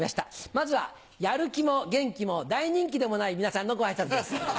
まずはやる気も元気も大人気でもない皆さんのご挨拶です。